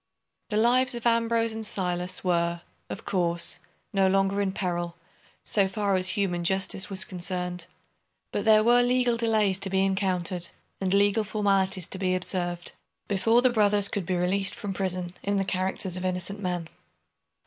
The lives of Ambrose and Silas were, of course, no longer in peril, so far as human justice was concerned. But there were legal delays to be encountered, and legal formalities to be observed, before the brothers could be released from prison in the characters of innocent men.